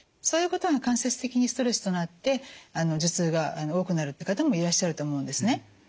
そういうことが間接的にストレスとなって頭痛が多くなるって方もいらっしゃると思うんですね。